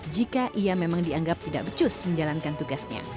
jika ia memang dianggap tidak becus menjalankan tugasnya